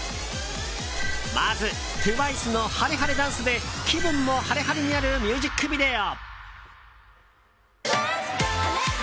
まずＴＷＩＣＥのＨａｒｅＨａｒｅダンスで気分も晴れ晴れになるミュージックビデオ。